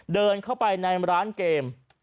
เดินเข้าไปในร้านเกม